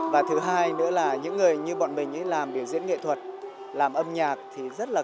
và thứ hai nữa là những người như bọn mình ý làm biểu diễn nghệ thuật làm âm nhạc thì rất là lớn